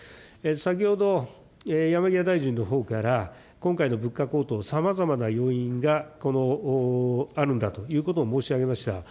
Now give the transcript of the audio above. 先ほど、山際大臣のほうから、今回の物価高騰、さまざまな要因があるんだということを申し上げました。